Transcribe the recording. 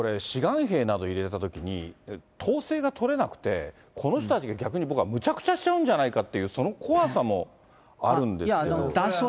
志願兵など入れたときに、統制が取れなくて、この人たちが逆に、僕はむちゃくちゃしちゃうんじゃないかって、その怖さもあるんですけど。